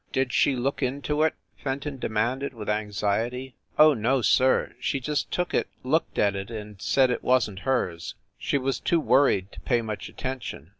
"Did she look into it?" Fenton demanded with anxiety. "Oh, no sir, she just took it, looked at it, and said it wasn t hers. She was too worried to pay much attention.